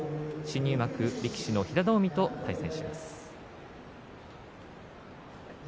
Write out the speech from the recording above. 新入幕の平戸海と対戦します。